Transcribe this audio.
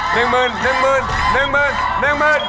๑หมื่น